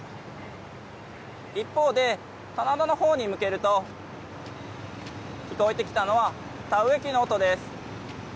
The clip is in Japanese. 一方で、棚田の方に向けると聞こえてきたのは田植え機の音です。